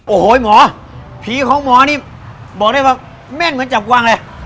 โอ้โหหมอผีของหมอนี่บอกได้ว่าแม่นเหมือนจับกวางเลย